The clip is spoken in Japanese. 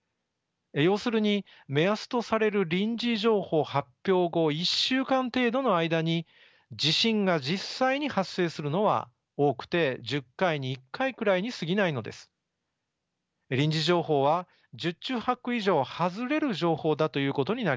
要するに目安とされる臨時情報発表後１週間程度の間に地震が実際に発生するのは多くて１０回に１回くらいにすぎないのです。臨時情報は十中八九以上外れる情報だということになります。